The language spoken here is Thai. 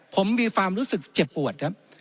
ผมมีความรู้สึกเจ็บปวดครับ